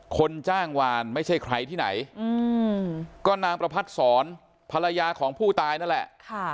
คนจ้างวานไม่ใช่ใครที่ไหนก็นางประพัดศรภรรยาของผู้ตายนั่นแหละ